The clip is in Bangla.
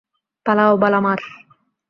পালাও, বালামার!